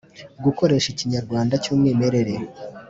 gukoresha ikinyarwanda cy’umwimerere,